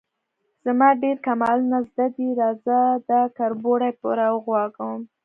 _زما ډېر کمالونه زده دي، راځه، دا کربوړی به راوغږوم.